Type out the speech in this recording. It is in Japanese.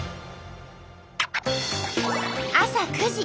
朝９時。